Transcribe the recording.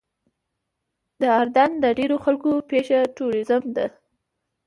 د اردن د ډېرو خلکو پیشه ټوریزم ده.